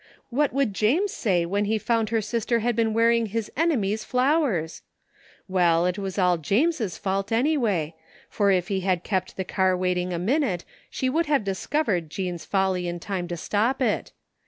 What would James say when he found her sister had been wearing his enemy's flowers ? Well, it was all James' fault anyway, for if he had kept the car waiting a minute she would have discovered Jean's folly in time to stop it.